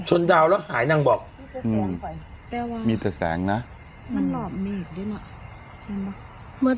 ชนดาวแล้วหายนั่งบอกอืมมีแต่แสงนะมันหลอมเมฆเลยน่ะ